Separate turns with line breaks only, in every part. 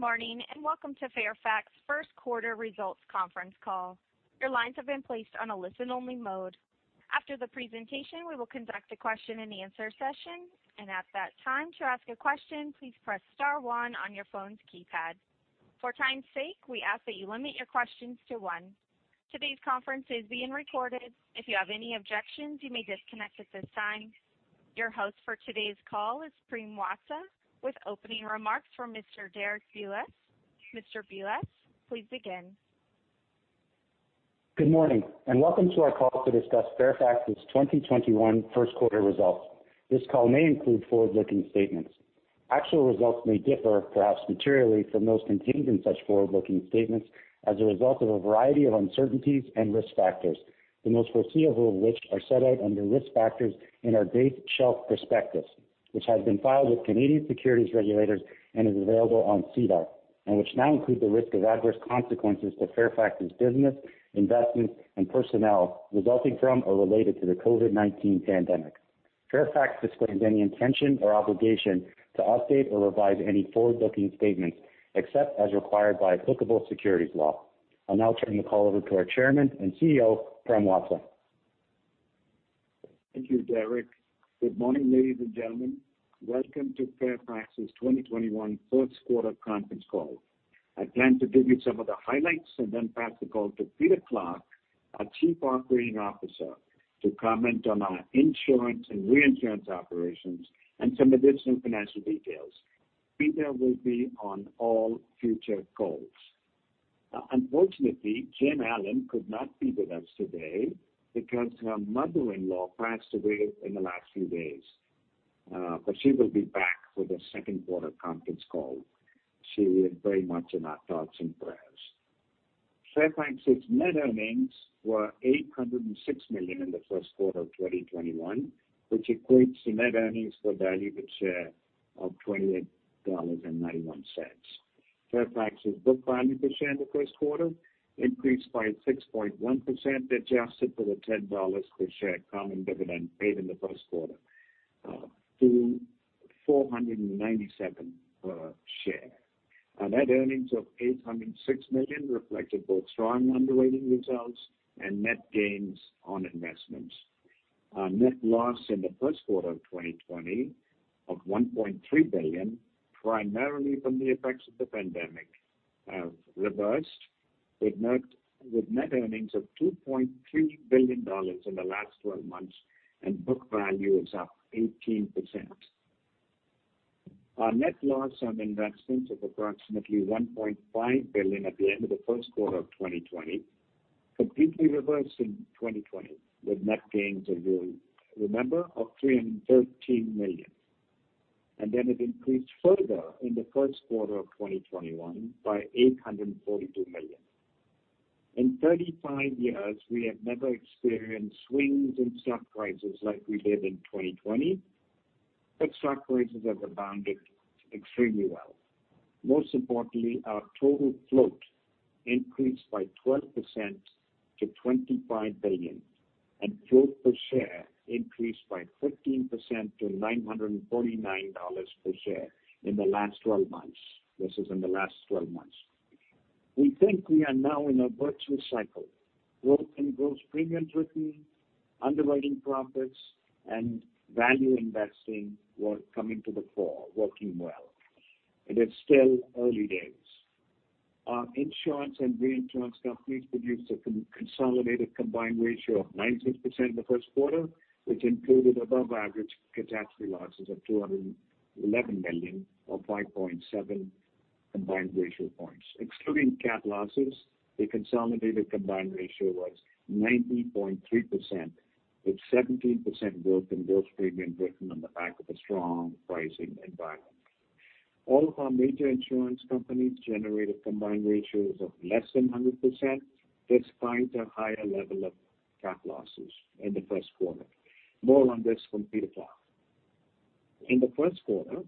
Good morning, and welcome to Fairfax's first quarter results conference call. Your lines have been placed on a listen-only mode. After the presentation, we will conduct a question and answer session. And at that time, to ask a question, please press star one on your phone keypad. For time's sake, we ask that you limit your questions to one. Today's conference is being recorded. If you have any objections, you may disconnect at this time. Your host for today's call is Prem Watsa, with opening remarks from Mr. Derek Bulas. Mr. Bulas, please begin.
Good morning, and welcome to our call to discuss Fairfax's 2021 first quarter results. This call may include forward-looking statements. Actual results may differ, perhaps materially, from those contained in such forward-looking statements as a result of a variety of uncertainties and risk factors, the most foreseeable of which are set out under risk factors in our base shelf prospectus, which has been filed with Canadian securities regulators and is available on SEDAR, and which now include the risk of adverse consequences to Fairfax's business, investments, and personnel resulting from or related to the COVID-19 pandemic. Fairfax disclaims any intention or obligation to update or revise any forward-looking statements, except as required by applicable securities law. I'll now turn the call over to our Chairman and CEO, Prem Watsa.
Thank you, Derek. Good morning, ladies and gentlemen. Welcome to Fairfax's 2021 first quarter conference call. I plan to give you some of the highlights and then pass the call to Peter Clarke, our Chief Operating Officer, to comment on our insurance and reinsurance operations and some additional financial details. Peter will be on all future calls. Unfortunately, Jen Allen could not be with us today because her mother-in-law passed away in the last few days. She will be back for the second quarter conference call. She is very much in our thoughts and prayers. Fairfax's net earnings were $806 million in the first quarter of 2021, which equates to net earnings per value per share of $28.91. Fairfax's book value per share in the first quarter increased by 6.1%, adjusted for the $10 per share common dividend paid in the first quarter, to $497 per share. Net earnings of $806 million reflected both strong underwriting results and net gains on investments. Our net loss in the first quarter of 2020 of $1.3 billion, primarily from the effects of the pandemic, have reversed with net earnings of $2.3 billion in the last 12 months, and book value is up 18%. Our net loss on investments of approximately $1.5 billion at the end of the first quarter of 2020 completely reversed in 2020 with net gains of, remember, of $313 million. It increased further in the first quarter of 2021 by $842 million. In 35 years, we have never experienced swings in stock prices like we did in 2020. Stock prices have rebounded extremely well. Most importantly, our total float increased by 12% to $25 billion, and float per share increased by 13% to $949 per share in the last 12 months. This is in the last 12 months. We think we are now in a virtuous cycle. Growth in gross premiums written, underwriting profits, and value investing were coming to the fore, working well. It is still early days. Our insurance and reinsurance companies produced a consolidated combined ratio of 90% in the first quarter, which included above-average catastrophe losses of $211 million, or 5.7 combined ratio points. Excluding cat losses, the consolidated combined ratio was 90.3%, with 17% growth in gross premium written on the back of a strong pricing environment. All of our major insurance companies generated combined ratios of less than 100%, despite a higher level of cat losses in the first quarter. More on this from Peter Clarke. In the first quarter,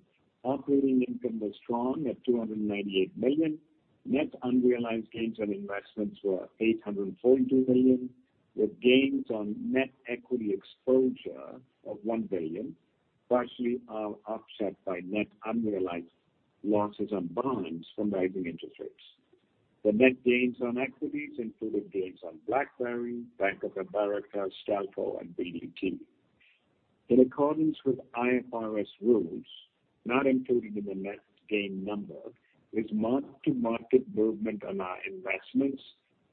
operating income was strong at $298 million. Net unrealized gains on investments were $842 million, with gains on net equity exposure of $1 billion, partially are offset by net unrealized losses on bonds from rising interest rates. The net gains on equities included gains on BlackBerry, Bank of America, Stelco, and BDT. In accordance with IFRS rules, not included in the net gain number is mark-to-market movement on our investments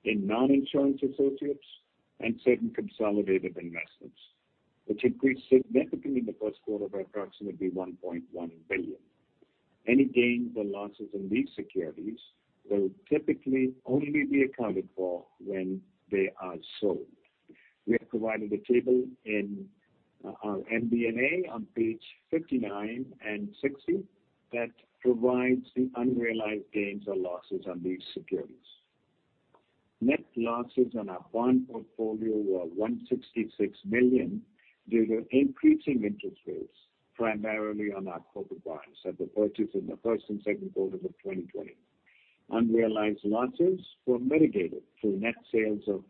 in non-insurance associates and certain consolidated investments, which increased significantly in the first quarter by approximately $1.1 billion. Any gains or losses in these securities will typically only be accounted for when they are sold. We have provided a table in our MD&A on page 59 and 60 that provides the unrealized gains or losses on these securities. Net losses on our bond portfolio were $166 million due to increasing interest rates primarily on our corporate bonds that were purchased in the first and second quarters of 2020. Unrealized losses were mitigated through net sales of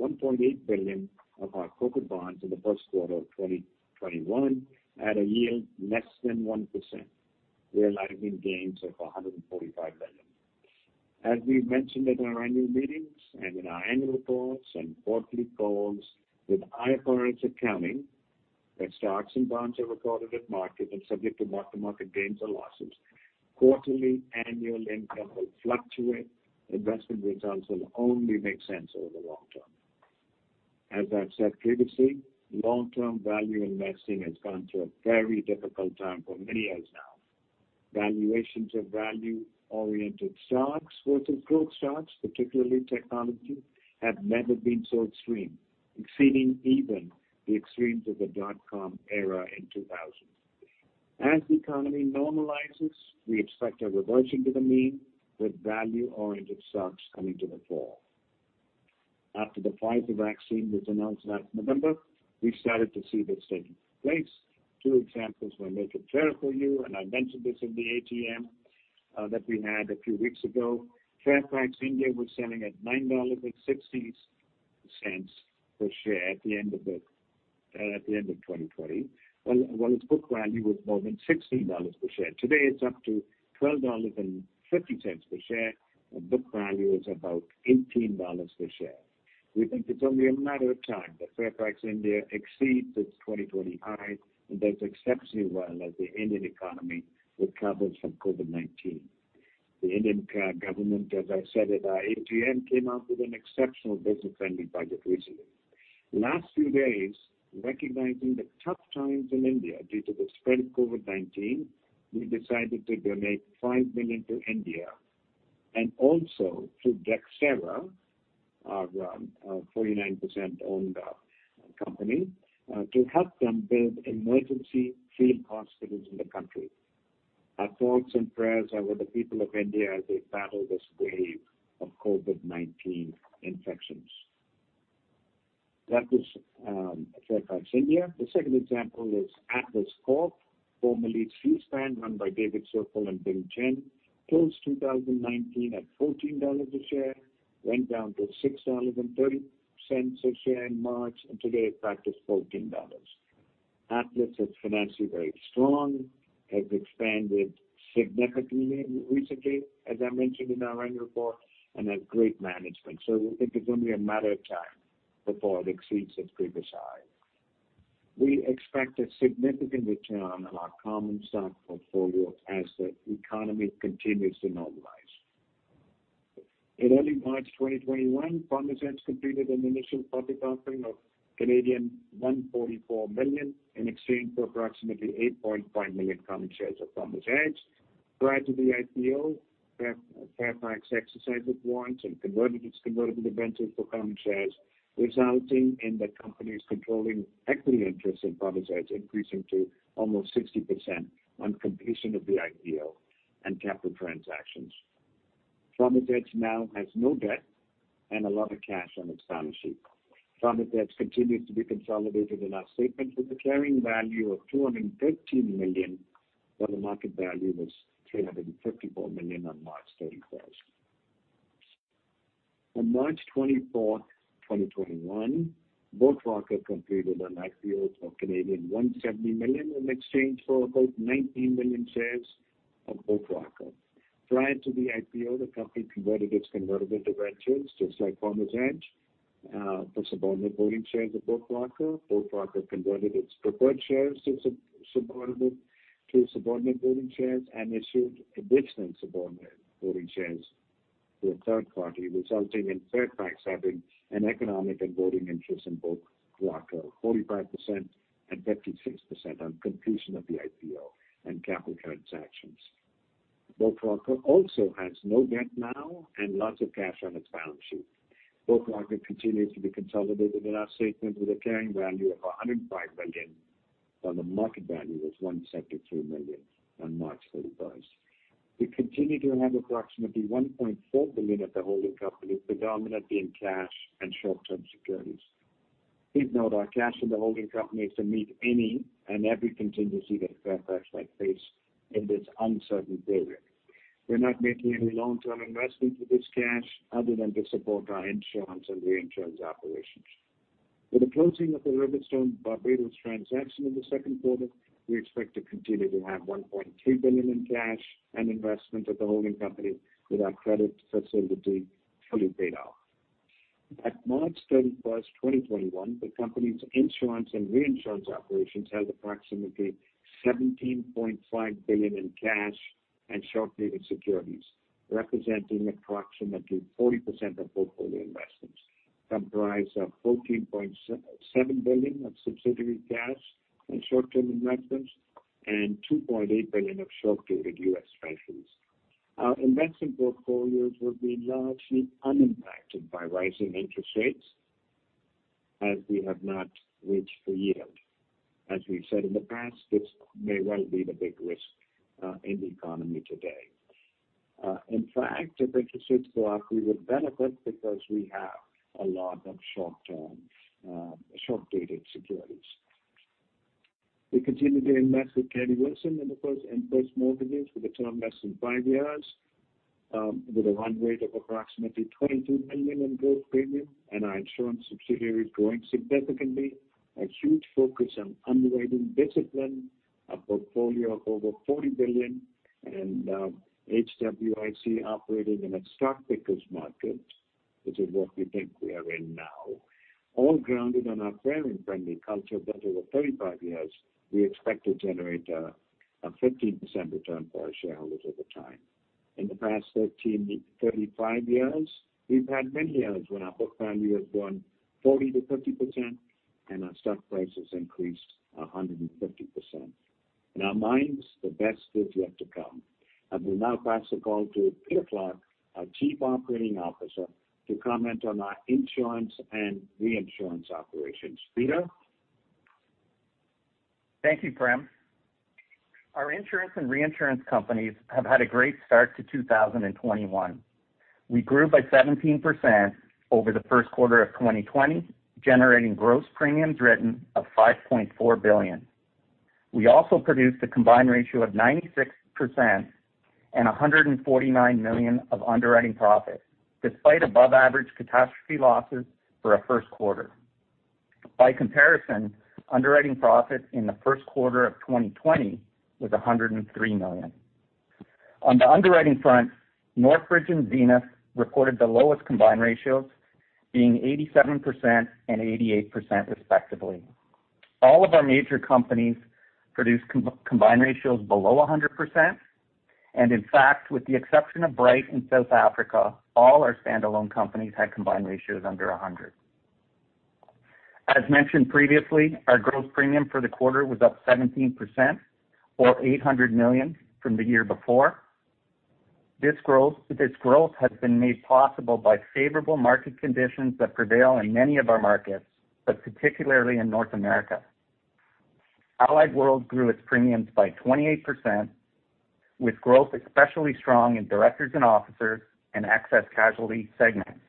$1.8 billion of our CoCo bonds in the first quarter of 2021 at a yield less than 1%, realizing gains of $145 million. As we've mentioned at our annual meetings and in our annual reports and quarterly calls, with IFRS accounting, that stocks and bonds are recorded at market and subject to mark-to-market gains or losses. Quarterly annual income will fluctuate. Investment results will only make sense over the long term. As I've said previously, long-term value investing has gone through a very difficult time for many years now. Valuations of value-oriented stocks versus growth stocks, particularly technology, have never been so extreme, exceeding even the extremes of the dot com era in 2000. As the economy normalizes, we expect a reversion to the mean with value-oriented stocks coming to the fore. After the Pfizer vaccine was announced last November, we started to see this taking place. Two examples were made clear for you, and I mentioned this in the AGM that we had a few weeks ago. Fairfax India was selling at 9.60 dollars per share at the end of 2020. Well, its book value was more than 16 dollars per share. Today, it is up to 12.50 dollars per share, and book value is about 18 dollars per share. We think it is only a matter of time that Fairfax India exceeds its 2020 high and does exceptionally well as the Indian economy recovers from COVID-19. The Indian government, as I said at our AGM, came out with an exceptional business-friendly budget recently. Last few days, recognizing the tough times in India due to the spread of COVID-19, we decided to donate 5 million to India and also through Dexterra, our 49%-owned company, to help them build emergency field hospitals in the country. Our thoughts and prayers are with the people of India as they battle this wave of COVID-19 infections. That was Fairfax India. The second example is Atlas Corp., formerly Seaspan, run by David Sokol and Bing Chen, closed 2019 at 14 dollars a share, went down to 6.30 dollars a share in March, and today it's back to 14 dollars. Atlas is financially very strong, has expanded significantly recently, as I mentioned in our annual report, and has great management. We think it's only a matter of time before it exceeds its previous high. We expect a significant return on our common stock portfolio as the economy continues to normalize. In early March 2021, Farmers Edge completed an initial public offering of 144 million in exchange for approximately 8.5 million common shares of Farmers Edge. Prior to the IPO, Fairfax exercised its warrants and converted its convertible debentures for common shares, resulting in the company's controlling equity interest in Farmers Edge increasing to almost 60% on completion of the IPO and capital transactions. Farmers Edge now has no debt and a lot of cash on its balance sheet. Farmers Edge continues to be consolidated in our statement with a carrying value of 213 million, while the market value was 354 million on March 31st. On March 24th, 2021, Boat Rocker completed an IPO of 170 million in exchange for about 19 million shares of Boat Rocker. Prior to the IPO, the company converted its convertible debentures, just like Farmers Edge, to subordinate voting shares of Boat Rocker. Boat Rocker converted its preferred shares to subordinate voting shares and issued additional subordinate voting shares to a third party, resulting in Fairfax having an economic and voting interest in Boat Rocker of 45% and 56% on completion of the IPO and capital transactions. Boat Rocker also has no debt now and lots of cash on its balance sheet. Boat Rocker continues to be consolidated in our statement with a carrying value of 105 million while the market value was 173 million on March 31st. We continue to have approximately 1.4 billion at the holding company, predominantly in cash and short-term securities. Please note our cash in the holding company is to meet any and every contingency that Fairfax might face in this uncertain period. We're not making any long-term investments with this cash other than to support our insurance and reinsurance operations. With the closing of the RiverStone Barbados transaction in the second quarter, we expect to continue to have $1.3 billion in cash and investment at the holding company with our credit facility fully paid off. At March 31st, 2021, the company's insurance and reinsurance operations held approximately $17.5 billion in cash and short-dated securities, representing approximately 40% of portfolio investments, comprised of $14.7 billion of subsidiary cash and short-term investments and $2.8 billion of short-dated U.S. Treasuries. Our investment portfolios will be largely unimpacted by rising interest rates as we have not reached for yield. As we've said in the past, this may well be the big risk in the economy today. In fact, if interest rates go up, we would benefit because we have a lot of short-term, short-dated securities. We continue to invest with Kennedy Wilson in the first and first mortgages with a term less than five years, with a run rate of approximately $22 million in gross premium, and our insurance subsidiary is growing significantly. A huge focus on underwriting discipline, a portfolio of over $40 billion, and HWIC operating in a stock picker's market, which is what we think we are in now. All grounded on our fair and friendly culture that over 35 years we expect to generate a 15% return for our shareholders over time. In the past 35 years, we've had many years when our book value has grown 40%-50% and our stock price has increased 150%. In our minds, the best is yet to come. I will now pass the call to Peter Clarke, our Chief Operating Officer, to comment on our insurance and reinsurance operations. Peter?
Thank you, Prem. Our insurance and reinsurance companies have had a great start to 2021. We grew by 17% over the first quarter of 2020, generating gross premiums written of 5.4 billion. We also produced a combined ratio of 96% and 149 million of underwriting profit, despite above average catastrophe losses for a first quarter. By comparison, underwriting profit in the first quarter of 2020 was 103 million. On the underwriting front, Northbridge and Zenith reported the lowest combined ratios, being 87% and 88%, respectively. All of our major companies produced combined ratios below 100%, and in fact, with the exception of Bryte in South Africa, all our standalone companies had combined ratios under 100%. As mentioned previously, our growth premium for the quarter was up 17%, or 800 million from the year before. This growth has been made possible by favorable market conditions that prevail in many of our markets, but particularly in North America. Allied World grew its premiums by 28%, with growth especially strong in directors and officers and excess casualty segments.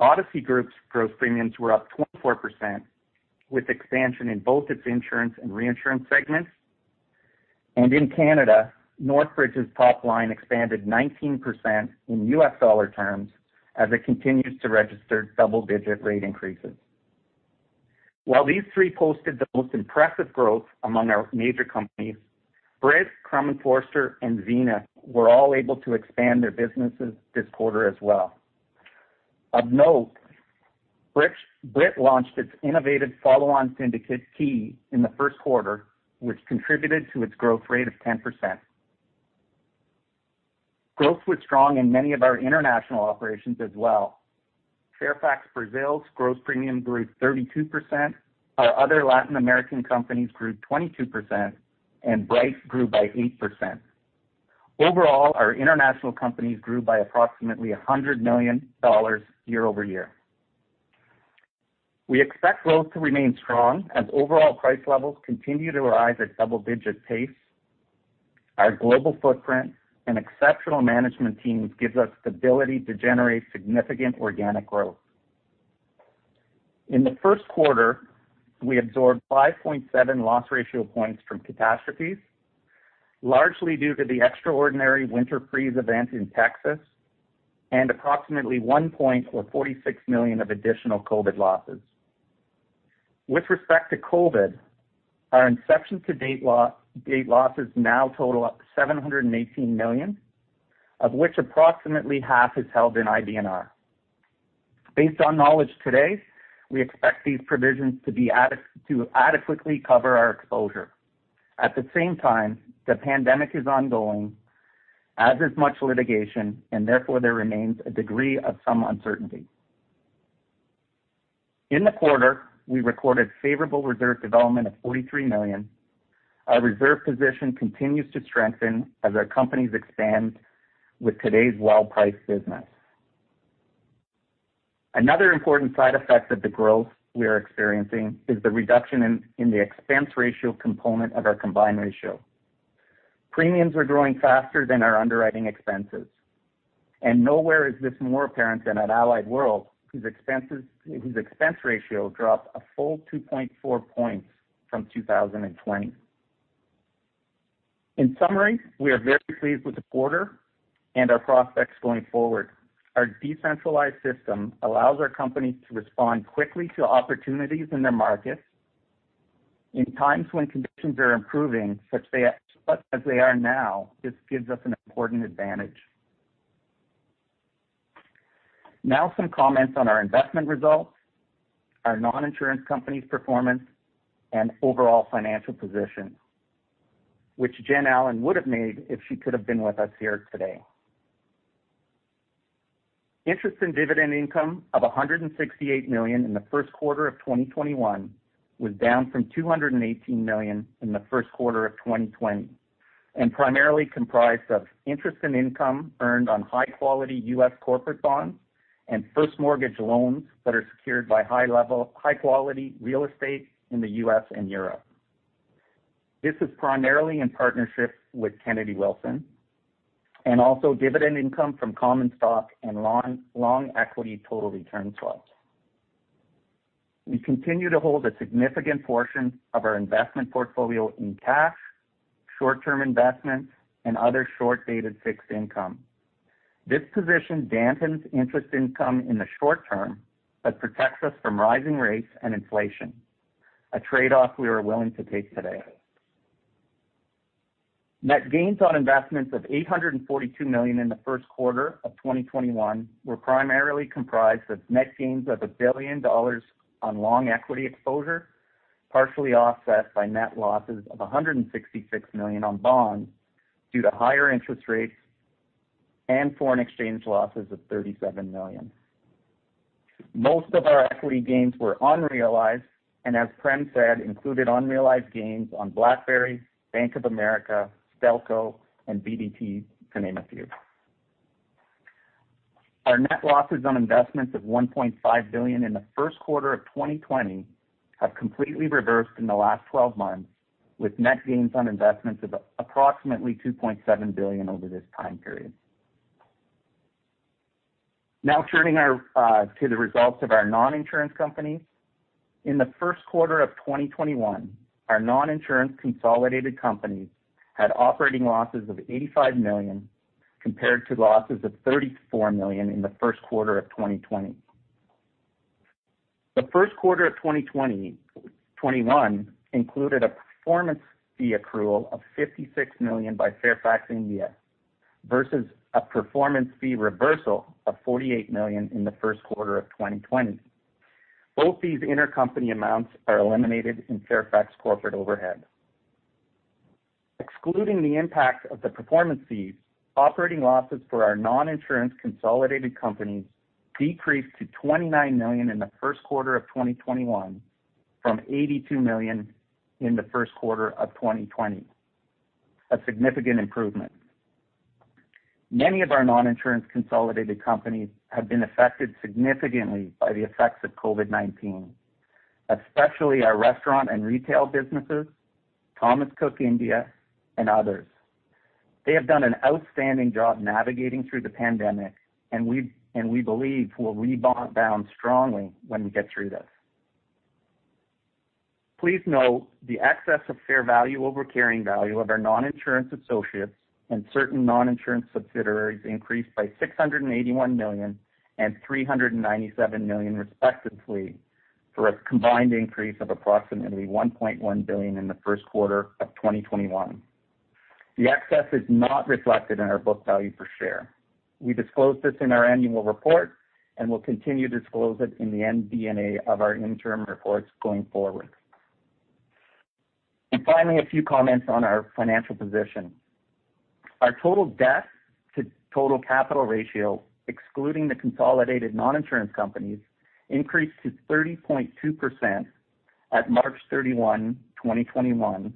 Odyssey Group's growth premiums were up 24%, with expansion in both its insurance and reinsurance segments. In Canada, Northbridge's top line expanded 19% in U.S. dollar terms as it continues to register double-digit rate increases. While these three posted the most impressive growth among our major companies, Brit, Crum & Forster, and Zenith were all able to expand their businesses this quarter as well. Of note, Brit launched its innovative follow-on syndicate Ki in the first quarter, which contributed to its growth rate of 10%. Growth was strong in many of our international operations as well. Fairfax Brazil's gross premium grew 32%, our other Latin American companies grew 22%, Bryte grew by 8%. Overall, our international companies grew by approximately 100 million dollars year-over-year. We expect growth to remain strong as overall price levels continue to rise at double-digit pace. Our global footprint and exceptional management teams gives us stability to generate significant organic growth. In the first quarter, we absorbed 5.7 loss ratio points from catastrophes, largely due to the extraordinary winter freeze event in Texas, approximately one point or 46 million of additional COVID losses. With respect to COVID, our inception to date losses now total up to 718 million, of which approximately half is held in IBNR. Based on knowledge today, we expect these provisions to adequately cover our exposure. At the same time, the pandemic is ongoing, as is much litigation, and therefore, there remains a degree of some uncertainty. In the quarter, we recorded favorable reserve development of $43 million. Our reserve position continues to strengthen as our companies expand with today's well-priced business. Another important side effect of the growth we are experiencing is the reduction in the expense ratio component of our combined ratio. Premiums are growing faster than our underwriting expenses, and nowhere is this more apparent than at Allied World, whose expense ratio dropped a full 2.4 points from 2020. In summary, we are very pleased with the quarter and our prospects going forward. Our decentralized system allows our companies to respond quickly to opportunities in their markets. In times when conditions are improving, such as they are now, this gives us an important advantage. Now some comments on our investment results, our non-insurance companies' performance, and overall financial position, which Jen Allen would have made if she could have been with us here today. Interest in dividend income of $168 million in the first quarter of 2021 was down from $218 million in the first quarter of 2020 and primarily comprised of interest and income earned on high-quality U.S. corporate bonds and first mortgage loans that are secured by high-quality real estate in the U.S. and Europe. This is primarily in partnership with Kennedy Wilson, and also dividend income from common stock and long equity total return swaps. We continue to hold a significant portion of our investment portfolio in cash, short-term investments, and other short-dated fixed income. This position dampens interest income in the short term but protects us from rising rates and inflation, a trade-off we are willing to take today. Net gains on investments of $842 million in the first quarter of 2021 were primarily comprised of net gains of $1 billion on long equity exposure, partially offset by net losses of $166 million on bonds due to higher interest rates and foreign exchange losses of $37 million. As Prem said, included unrealized gains on BlackBerry, Bank of America, Stelco, and BDT, to name a few. Our net losses on investments of $1.5 billion in the first quarter of 2020 have completely reversed in the last 12 months, with net gains on investments of approximately $2.7 billion over this time period. Now turning to the results of our non-insurance companies. In the first quarter of 2021, our non-insurance consolidated companies had operating losses of $85 million compared to losses of $34 million in the first quarter of 2020. The first quarter of 2021 included a performance fee accrual of $56 million by Fairfax India versus a performance fee reversal of $48 million in the first quarter of 2020. Both these intercompany amounts are eliminated in Fairfax corporate overhead. Excluding the impact of the performance fees, operating losses for our non-insurance consolidated companies decreased to $29 million in the first quarter of 2021 from $82 million in the first quarter of 2020. A significant improvement. Many of our non-insurance consolidated companies have been affected significantly by the effects of COVID-19, especially our restaurant and retail businesses, Thomas Cook India and others. They have done an outstanding job navigating through the pandemic and we believe will rebound strongly when we get through this. Please note the excess of fair value over carrying value of our non-insurance associates and certain non-insurance subsidiaries increased by 681 million and 397 million respectively, for a combined increase of approximately 1.1 billion in the first quarter of 2021. The excess is not reflected in our book value per share. We disclosed this in our annual report and will continue to disclose it in the MD&A of our interim reports going forward. Finally, a few comments on our financial position. Our total debt to total capital ratio, excluding the consolidated non-insurance companies, increased to 30.2% at March 31, 2021,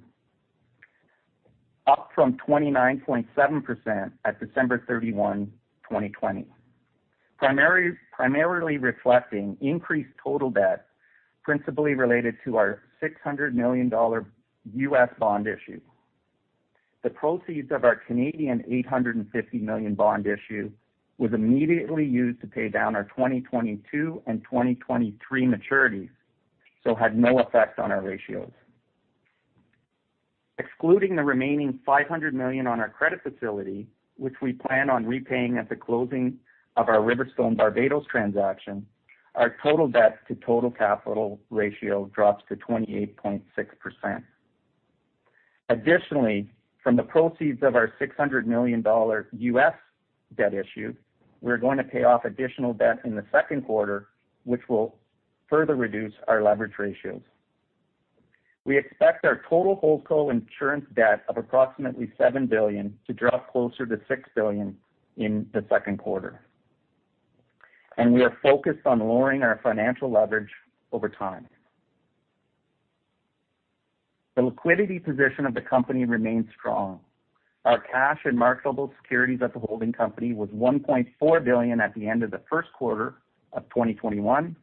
up from 29.7% at December 31, 2020. Primarily reflecting increased total debt principally related to our $600 million U.S. bond issue. The proceeds of our 850 million bond issue was immediately used to pay down our 2022 and 2023 maturities, had no effect on our ratios. Excluding the remaining $500 million on our credit facility, which we plan on repaying at the closing of our RiverStone Barbados transaction, our total debt to total capital ratio drops to 28.6%. From the proceeds of our $600 million U.S. debt issue, we're going to pay off additional debt in the second quarter, which will further reduce our leverage ratios. We expect our total holdco insurance debt of approximately $7 billion to drop closer to $6 billion in the second quarter, and we are focused on lowering our financial leverage over time. The liquidity position of the company remains strong. Our cash and marketable securities at the holding company was $1.4 billion at the end of the first quarter of 2021.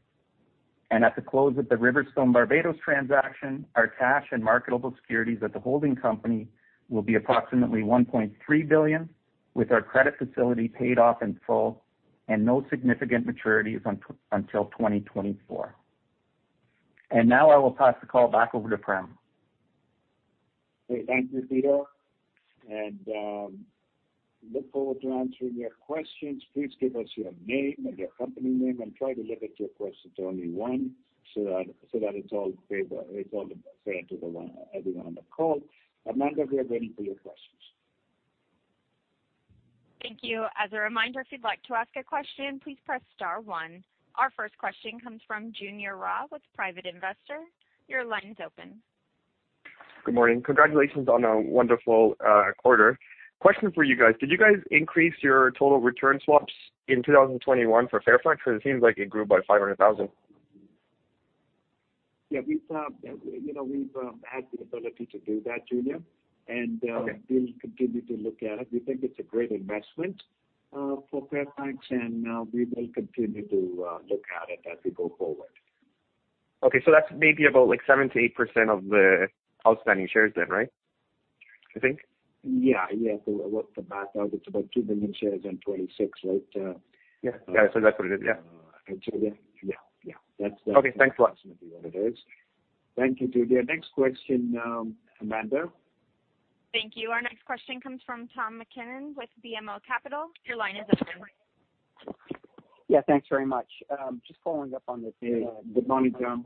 At the close of the RiverStone Barbados transaction, our cash and marketable securities at the holding company will be approximately $1.3 billion, with our credit facility paid off in full and no significant maturities until 2024. Now I will pass the call back over to Prem.
Great. Thank you, Peter, look forward to answering your questions. Please give us your name and your company name and try to limit your questions to only one so that it's all fair to everyone on the call. Amanda, we are ready for your questions.
Thank you. As a reminder, if you'd like to ask a question, please press star one. Our first question comes from Junior Ra with Private Investor. Your line's open.
Good morning. Congratulations on a wonderful quarter. Question for you guys. Did you guys increase your total return swaps in 2021 for Fairfax? Because it seems like it grew by 500,000.
Yeah. We've had the ability to do that, Junior. We'll continue to look at it. We think it's a great investment for Fairfax, and we will continue to look at it as we go forward.
Okay. That's maybe about 7%-8% of the outstanding shares then, right? I think.
Yeah. I worked the math out. It's about 2 million shares and $26, right?
Yeah. That's what it is. Yeah.
Yeah.
Okay. Thanks, Prem.
That's approximately what it is. Thank you, Junior. Next question, Amanda.
Thank you. Our next question comes from Tom MacKinnon with BMO Capital. Your line is open.
Yeah, thanks very much. Just following up on the
Hey. Good morning, Tom.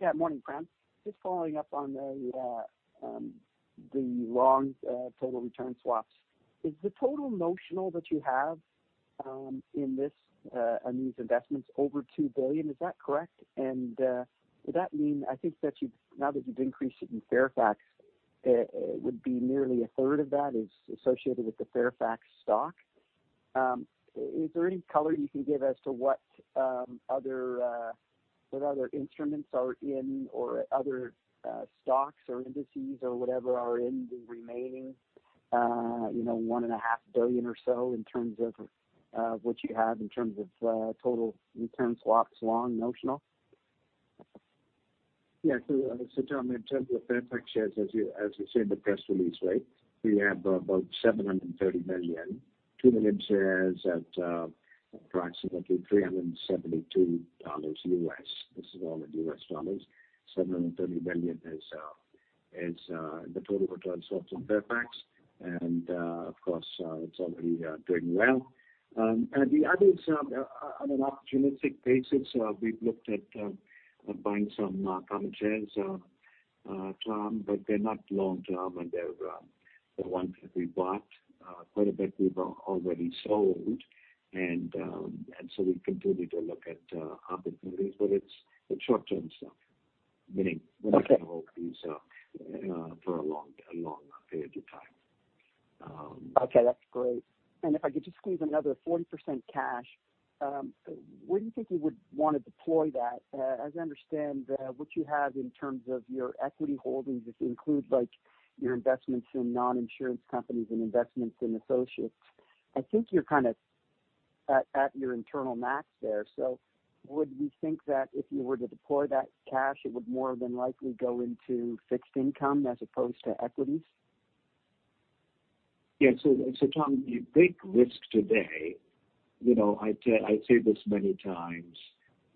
Yeah, morning, Prem. Just following up on the long total return swaps. Is the total notional that you have in these investments over $2 billion, is that correct? Would that mean, I think that now that you've increased it in Fairfax, it would be nearly 1/3 of that is associated with the Fairfax stock. Is there any color you can give as to what other instruments are in, or other stocks or indices or whatever are in the remaining 1.5 billion or so in terms of what you have in terms of total return swaps long notional?
Yeah. Tom, in terms of Fairfax shares, as we said in the press release, we have about $730 million, 2 million shares at approximately $372 U.S. This is all in U.S. dollars. $730 million is the total return swaps in Fairfax. Of course, it's already doing well. The others, on an opportunistic basis, we've looked at buying some common shares, Tom, but they're not long-term, and they're the ones that we bought. Quite a bit we've already sold. We continue to look at opportunities but it's the short-term stuff.
Okay.
We're not going to hold these for a long period of time.
Okay. That's great. If I could just squeeze another 40% cash, where do you think you would want to deploy that? As I understand, what you have in terms of your equity holdings, if you include your investments in non-insurance companies and investments in associates, I think you're kind of at your internal max there. Would you think that if you were to deploy that cash, it would more than likely go into fixed income as opposed to equities?
Yeah. Tom, the big risk today, I say this many times.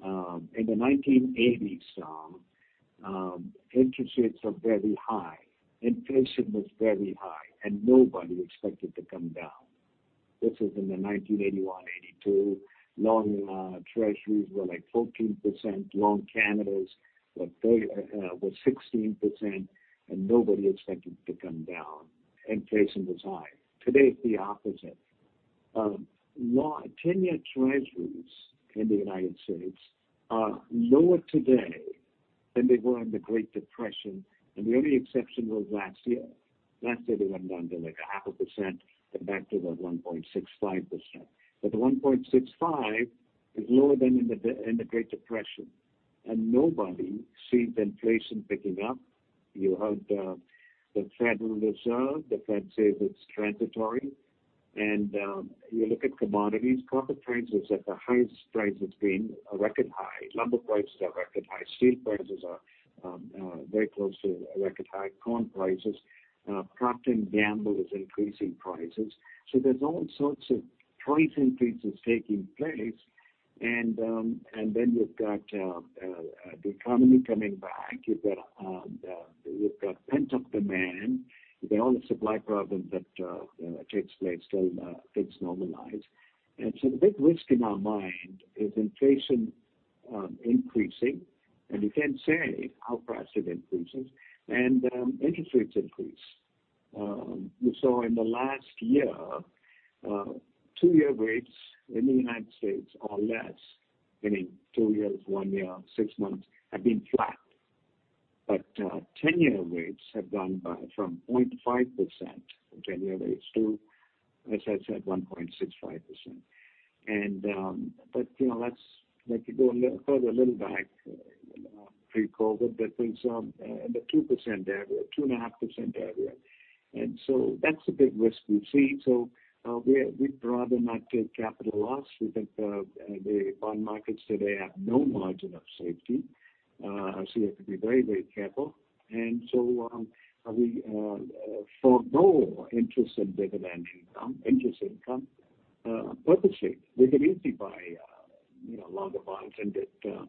In the 1980s, Tom, interest rates were very high. Inflation was very high, and nobody expected to come down. This is in the 1981, 1982. Long Treasuries were like 14%, long Canadas were 16%, and nobody expected to come down. Inflation was high. Today, it's the opposite. 10-year Treasuries in the U.S. are lower today than they were in the Great Depression, and the only exception was last year. Last year, they went down to like 0.5%, but back to the 1.65%. The 1.65% is lower than in the Great Depression. Nobody sees inflation picking up. You heard the Federal Reserve. The Fed says it's transitory. You look at commodities, copper price is at the highest price it's been, a record high. Lumber prices are record high. Steel prices are very close to a record high. Corn prices. Procter & Gamble is increasing prices. There's all sorts of price increases taking place. You've got the economy coming back. You've got pent-up demand. You get all the supply problems that takes place till things normalize. The big risk in our mind is inflation increasing, and you can't say how fast it increases, and interest rates increase. We saw in the last year, two-year rates in the U.S. or less, meaning two years, one year, six months, have been flat. 10-year rates have gone from 0.5% in January to, as I said, 1.65%. If you go further a little back pre-COVID, they're in the 2.5% area. That's the big risk we see. We'd rather not take capital loss. We think the bond markets today have no margin of safety. You have to be very careful. We forgo interest and dividend income, interest income purposely. We can easily buy longer bonds and get a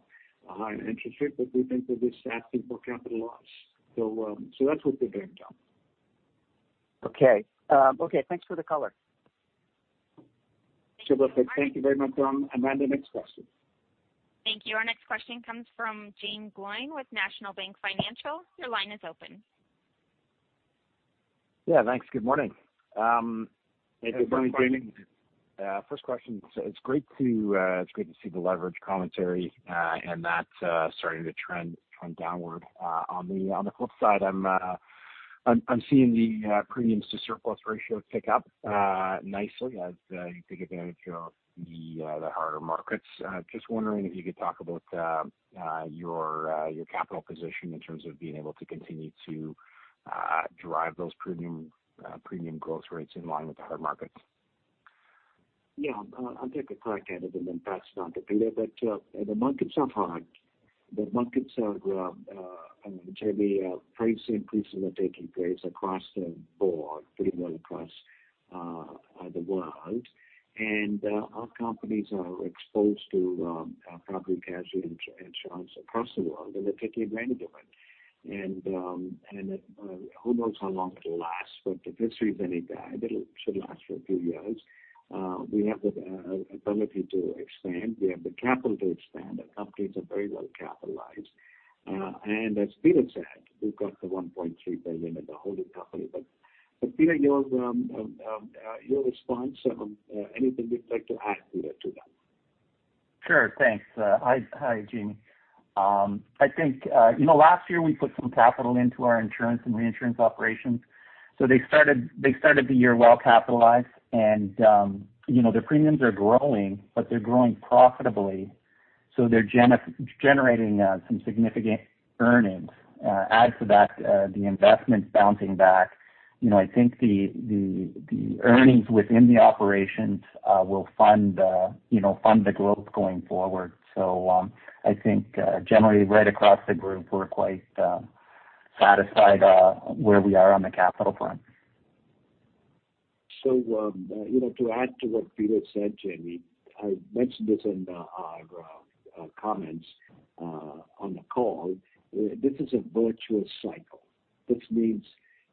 higher interest rate, but we think that is asking for capital loss. That's what we're doing, Tom.
Okay. Thanks for the color.
Sure. Thank you very much, Tom. Amanda, next question.
Thank you. Our next question comes from Jaeme Gloyn with National Bank Financial. Your line is open.
Yeah. Thanks. Good morning.
Hey. Good morning, Jaeme.
First question. It's great to see the leverage commentary and that starting to trend downward. On the flip side, I'm seeing the premiums to surplus ratio tick up nicely as you take advantage of the harder markets. Just wondering if you could talk about your capital position in terms of being able to continue to drive those premium growth rates in line with the hard markets.
Yeah. I'll take a crack at it and then pass it on to Peter. The markets are hard. Jaeme, price increases are taking place across the board, pretty well across the world. Our companies are exposed to property casualty insurance across the world, and they're taking advantage of it. Who knows how long it'll last, but if history is any guide, it should last for a few years. We have the ability to expand. We have the capital to expand. Our companies are very well capitalized. As Peter said, we've got the $1.3 billion at the holding company. Peter, your response, anything you'd like to add, Peter, to that?
Sure. Thanks. Hi, Jaeme. I think, last year we put some capital into our insurance and reinsurance operations. They started the year well capitalized and their premiums are growing, but they're growing profitably, so they're generating some significant earnings. Add to that the investments bouncing back. I think the earnings within the operations will fund the growth going forward. Generally right across the group, we're quite satisfied where we are on the capital front.
To add to what Peter said, Jaeme, I mentioned this in our comments on the call. This is a virtuous cycle, which means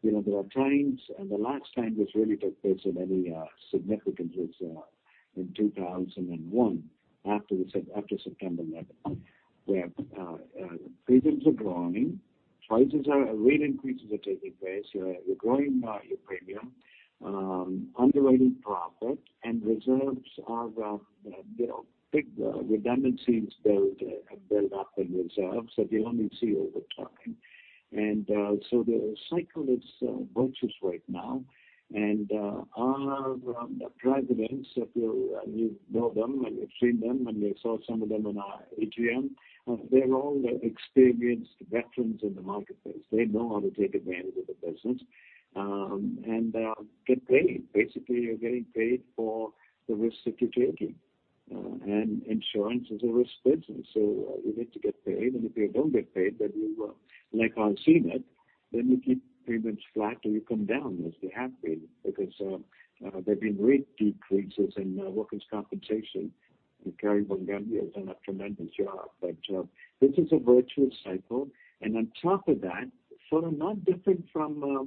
there are times, and the last time this really took place at any significance was in 2001, after September 11th, where premiums are growing, prices are, rate increases are taking place. You're growing your premium, underwriting profit, and big redundancy is built up in reserves that you only see over time. The cycle is virtuous right now. Our presidents, if you know them and you've seen them and you saw some of them in our AGM, they're all experienced veterans in the marketplace. They know how to take advantage of the business, and get paid. Basically, you're getting paid for the risks that you're taking. Insurance is a risk business, so you need to get paid. If you don't get paid, then you, like our Zenith, then you keep premiums flat or you come down as they have been. Because there've been rate decreases in workers' compensation. Kari Van Gundy has done a tremendous job. This is a virtuous cycle. On top of that, sort of not different from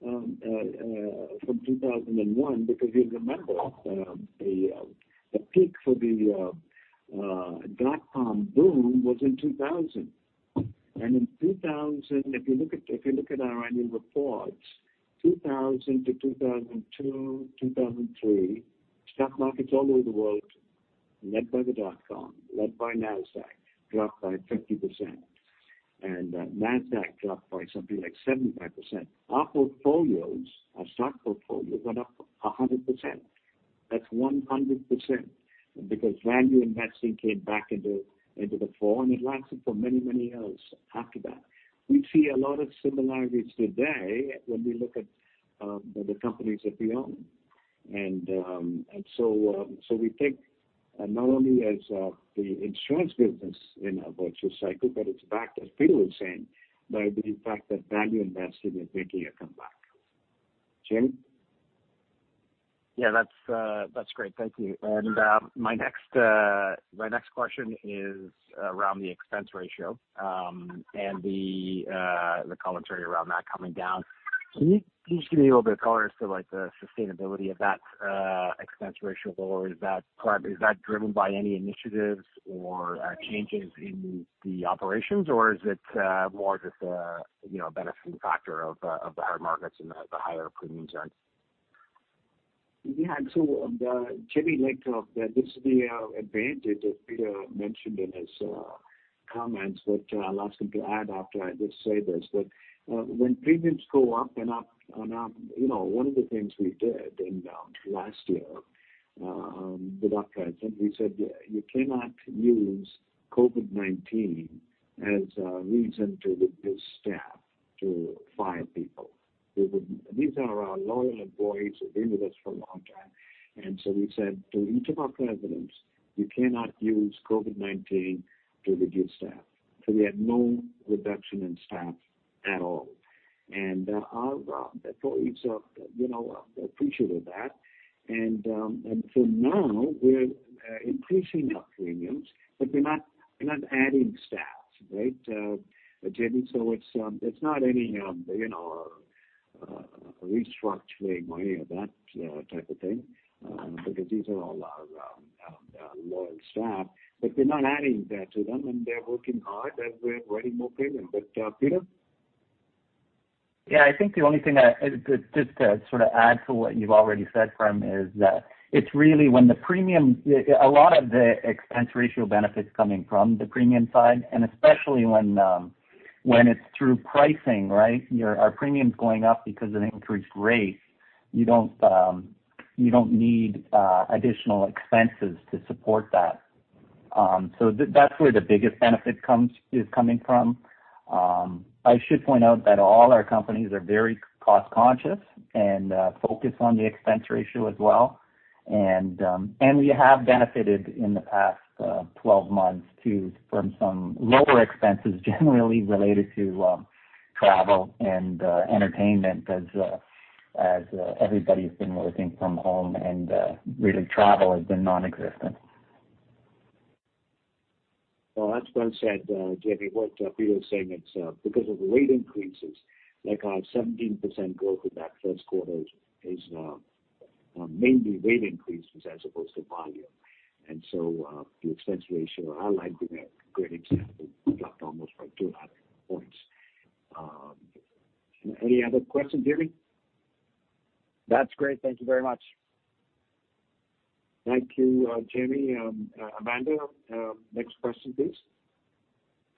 2001, because you'll remember, the peak for the dot-com boom was in 2000. In 2000, if you look at our annual reports, 2000 to 2002, 2003, stock markets all over the world led by the dot-com, led by Nasdaq, dropped by 50%. Nasdaq dropped by something like 75%. Our portfolios, our stock portfolios, went up 100%. That's 100%, because value investing came back into the fore, and it lasted for many, many years after that. We see a lot of similarities today when we look at the companies that we own. We think not only as the insurance business in a virtuous cycle, but it's backed, as Peter was saying, by the fact that value investing is making a comeback. Jaeme?
Yeah, that's great. Thank you. My next question is around the expense ratio, and the commentary around that coming down. Can you just give me a little bit of color as to the sustainability of that expense ratio, or is that driven by any initiatives or changes in the operations, or is it more just a benefiting factor of the higher markets and the higher premium side?
Yeah. Jaeme, later, this is the advantage that Peter mentioned in his comments. I'll ask him to add after I just say this. That when premiums go up and up and up, one of the things we did in last year, with our president, we said, "You cannot use COVID-19 as a reason to reduce staff, to fire people." These are our loyal employees who've been with us for a long time. We said to each of our presidents, "You cannot use COVID-19 to reduce staff." We had no reduction in staff at all. Our employees are appreciative of that. For now, we're increasing our premiums, but we're not adding staff. Right. Jaeme, it's not any restructuring or any of that type of thing. Because these are all our loyal staff. We're not adding to them, and they're working hard as we're writing more premium. Peter?
Yeah, I think the only thing just to sort of add to what you've already said, Prem, is that it's really when a lot of the expense ratio benefit's coming from the premium side, and especially when it's through pricing, right? Our premium's going up because of increased rates. You don't need additional expenses to support that. That's where the biggest benefit is coming from. I should point out that all our companies are very cost conscious and focused on the expense ratio as well. We have benefited in the past 12 months too, from some lower expenses, generally related to travel and entertainment as everybody's been working from home and really travel has been non-existent.
Well, that's well said, Jaeme. What Peter was saying, it's because of the rate increases, like our 17% growth in that first quarter is mainly rate increases as opposed to volume. The expense ratio, our life being a great example, dropped almost by 200 points. Any other questions, Jaeme?
That's great. Thank you very much.
Thank you, Jaeme. Amanda, next question, please.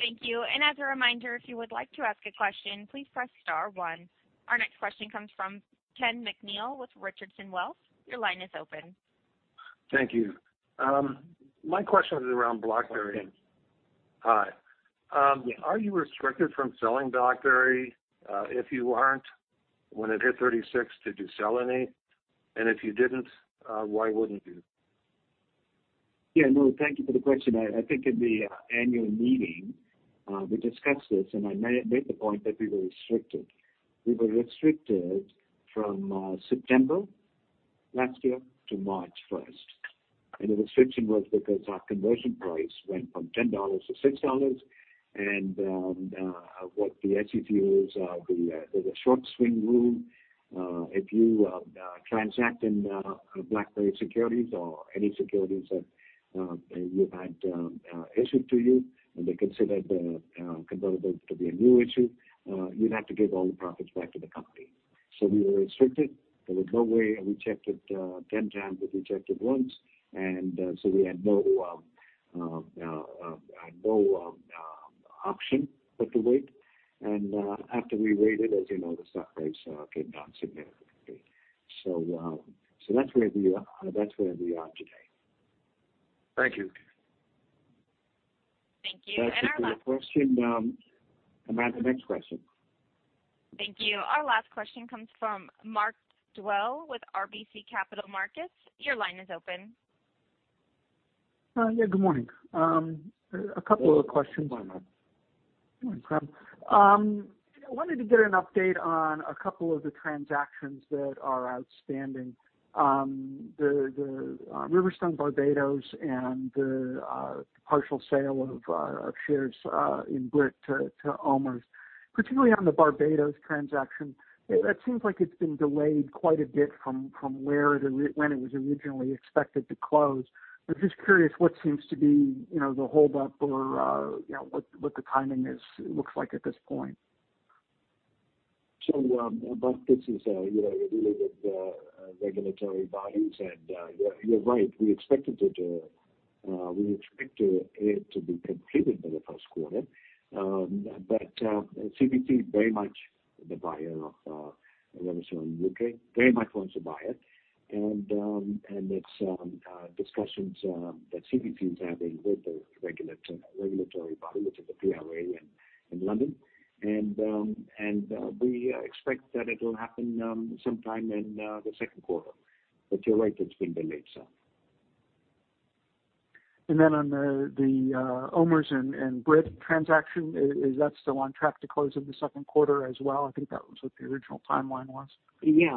Thank you. As a reminder, if you would like to ask a question, please press star one. Our next question comes from Ken MacNeal with Richardson Wealth. Your line is open.
Thank you. My question is around BlackBerry.
Hi, Ken.
Hi. Are you restricted from selling BlackBerry? If you aren't, when it hit 36, did you sell any? If you didn't, why wouldn't you?
Thank you for the question. I think in the annual meeting we discussed this, I made the point that we were restricted. We were restricted from September last year to March 1st. The restriction was because our conversion price went from $10 to $6. What the SEC rules are, there is a short swing rule. If you transact in BlackBerry securities or any securities that you had issued to you, and they consider the convertible to be a new issue, you would have to give all the profits back to the company. We were restricted. There was no way. We checked it 10 times. We checked it once. We had no option but to wait. After we waited, as you know, the stock price came down significantly. That is where we are today.
Thank you.
Thank you.
That's a good question. Amanda, next question.
Thank you. Our last question comes from Mark Dwelle with RBC Capital Markets. Your line is open.
Yeah, good morning. A couple of questions.
Good morning, Mark.
No problem. I wanted to get an update on a couple of the transactions that are outstanding. The RiverStone Barbados and the partial sale of shares in Brit to OMERS. Particularly on the Barbados transaction, it seems like it has been delayed quite a bit from when it was originally expected to close. I am just curious what seems to be the hold up or what the timing looks like at this point.
Mark, this is dealing with regulatory bodies. You're right, we expected it to be completed by the first quarter. CVC very much the buyer of RiverStone UK, wants to buy it. It's discussions that CVC is having with the regulatory body, which is the PRA in London. We expect that it'll happen sometime in the second quarter. You're right, it's been delayed some.
On the OMERS and Brit transaction, is that still on track to close in the second quarter as well? I think that was what the original timeline was.
Yeah.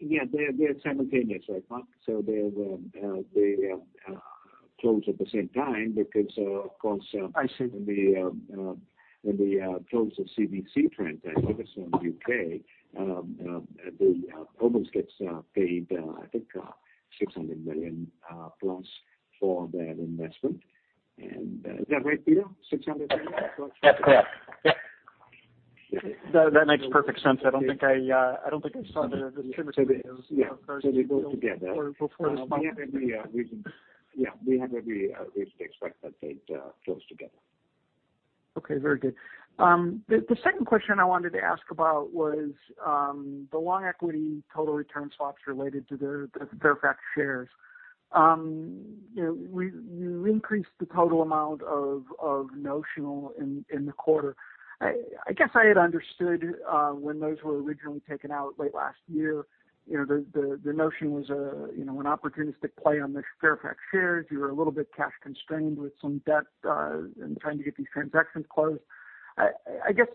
They're simultaneous, right, Mark? They close at the same time because, of course.
I see.
When they close the CVC transaction, RiverStone UK, OMERS gets paid, I think, 600 million plus for that investment. Is that right, Peter, 600 million?
That's correct, yes.
That makes perfect sense. I don't think I saw the distributor videos.
They go together.
before this morning.
Yeah. We have every reason to expect that they'd close together.
Okay, very good. The second question I wanted to ask about was the long equity total return swaps related to the Fairfax shares. You increased the total amount of notional in the quarter. I guess I had understood when those were originally taken out late last year, the notion was an opportunistic play on the Fairfax shares. You were a little bit cash constrained with some debt and trying to get these transactions closed. I guess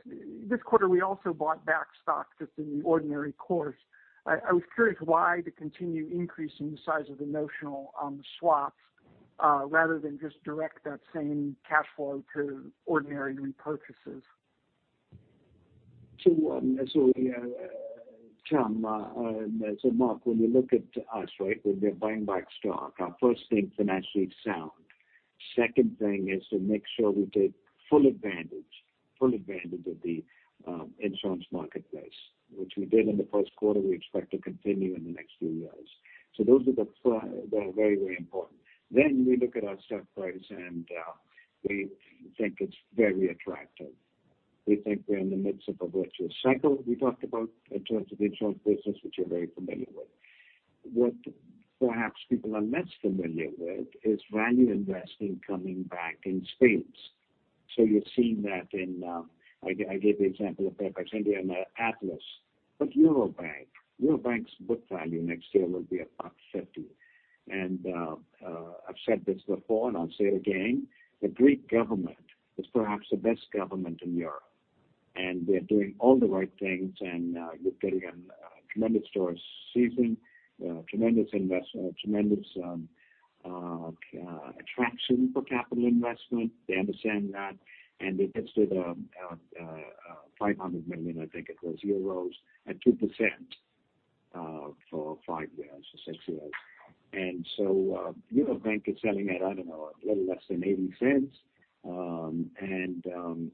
this quarter, we also bought back stocks just in the ordinary course. I was curious why the continued increase in the size of the notional on the swaps rather than just direct that same cash flow to ordinary repurchases.
Mark, when you look at us, right, when we are buying back stock, our first thing: financially sound. Second thing is to make sure we take full advantage of the insurance marketplace, which we did in the first quarter, we expect to continue in the next few years. Those are very important. We look at our stock price, and we think it's very attractive. We think we're in the midst of a virtuous cycle we talked about in terms of the insurance business, which you're very familiar with. What perhaps people are less familiar with is value investing coming back in spades. You're seeing that in, I gave the example of Fairfax India and Atlas. Eurobank. Eurobank's book value next year will be about $50. I've said this before, and I'll say it again, the Greek government is perhaps the best government in Europe, and they're doing all the right things, and you're getting a tremendous tourist season, tremendous attraction for capital investment. They understand that, they just did 500 million, I think it was, at 2% for five years or six years. Eurobank is selling at, I don't know, a little less than 0.80.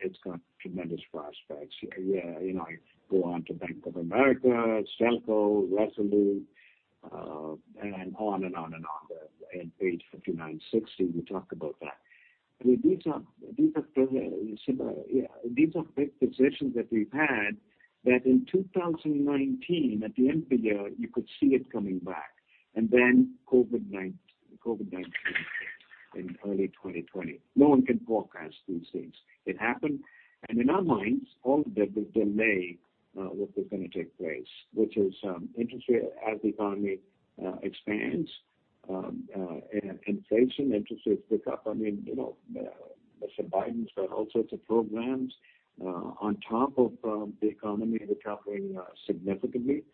It's got tremendous prospects. I go on to Bank of America, Stelco, Resolute, and on and on and on. At page 59, 60, we talk about that. These are big positions that we've had, that in 2019, at the end of the year, you could see it coming back. Then COVID-19 hit in early 2020. No one can forecast these things. It happened. In our minds, all the delay, which was going to take place, which is as the economy expands, inflation, interest rates pick up. Mr. Biden's got all sorts of programs on top of the economy recovering significantly.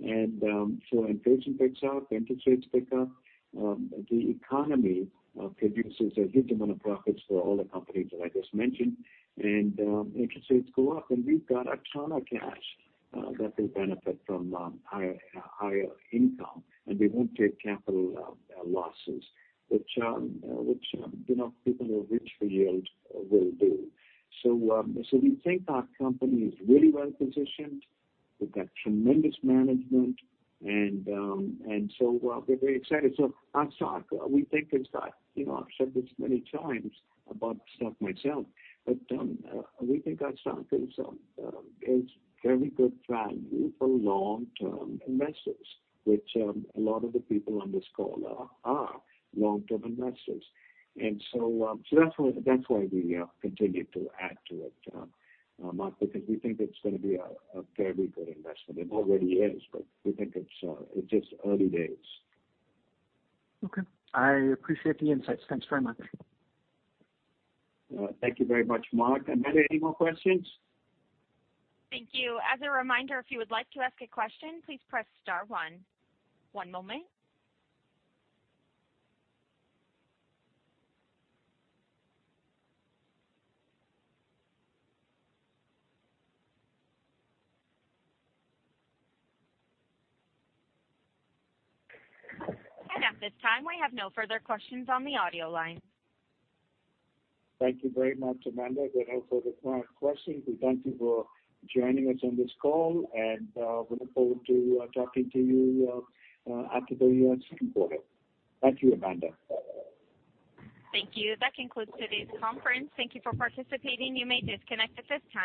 Inflation picks up, interest rates pick up. The economy produces a huge amount of profits for all the companies that I just mentioned. Interest rates go up, and we've got a ton of cash that will benefit from higher income. We won't take capital losses, which people who reach for yield will do. We think our company is really well-positioned. We've got tremendous management. We're very excited. Our stock, I've said this many times about the stock myself, but we think our stock is very good value for long-term investors, which a lot of the people on this call are long-term investors. That's why we continue to add to it, Mark, because we think it's going to be a very good investment. It already is, but we think it's just early days.
Okay. I appreciate the insights. Thanks very much.
Thank you very much, Mark. Amanda, any more questions?
Thank you. As a reminder, if you would like to ask a question, please press star one. One moment. At this time, we have no further questions on the audio line.
Thank you very much, Amanda. With no further questions, we thank you for joining us on this call, and we look forward to talking to you after the U.S. second quarter. Thank you, Amanda.
Thank you. That concludes today's conference. Thank you for participating. You may disconnect at this time.